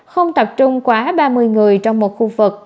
không tập trung quá ba mươi người trong một khu vực